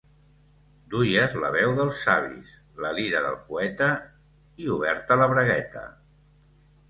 Duies la veu dels savis, la lira del poeta, i oberta la bragueta.